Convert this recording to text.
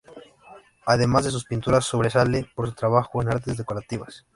Además de sus pinturas, sobresale por su trabajo en artes decorativas.